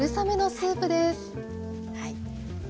はい。